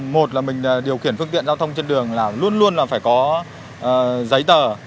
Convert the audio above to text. một là mình điều khiển phương tiện giao thông trên đường là luôn luôn là phải có giấy tờ